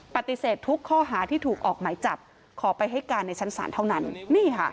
ปฏิเสธทุกข้อหาที่ถูกออกหมายจับขอไปให้การในชั้นศาลเท่านั้น